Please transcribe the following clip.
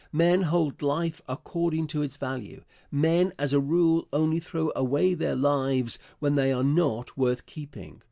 Men hold life according to its value. Men, as a rule, only throw away their lives when they are not worth keeping.